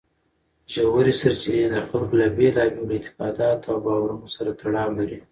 ژورې سرچینې د خلکو له بېلابېلو اعتقاداتو او باورونو سره تړاو لري.